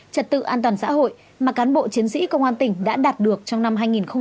trật tự an toàn xã hội mà cán bộ chiến sĩ công an tỉnh đã đạt được trong năm hai nghìn một mươi tám